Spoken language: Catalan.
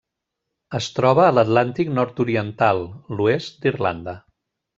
Es troba a l'Atlàntic nord-oriental: l'oest d'Irlanda.